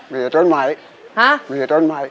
ไม่มีเนอะ